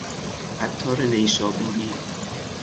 عطار نیشابوری